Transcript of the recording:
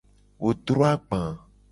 Wo dro agba.